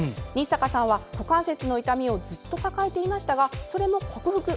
日坂さんは股関節の痛みをずっと抱えていましたがそれも克服。